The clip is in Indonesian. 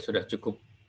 sudah cukup cukup cukup